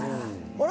あれ？